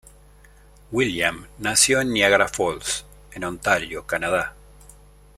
William nació en Niagara Falls, en Ontario, Canadá.